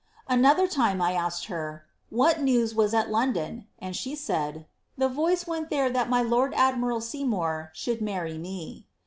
"Anocher time I asked her, * what news was at London,* and she said, *The foiea weot there that my lord admiral Seymour ^ould marry me.